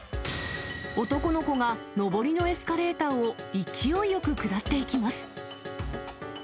男の子が上りのエスカレーターを勢いよく下っていきます。